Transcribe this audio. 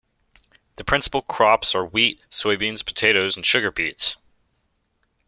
The principal crops are wheat, soybeans, potatoes, and sugar beets.